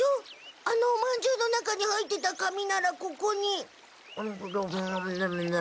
あのおまんじゅうの中に入ってた紙ならここに。